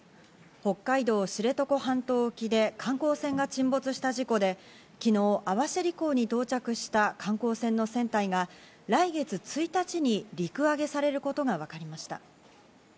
北海道知床半島沖で観光船が沈没した事故で、昨日、網走港に到着した観光船の船体が来月１日に陸揚げされることがわかりました。